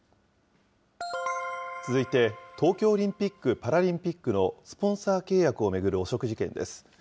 続いて、東京オリンピック・パラリンピックのスポンサー契約を巡る汚職事件です。